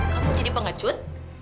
kamu mau jadi pengecut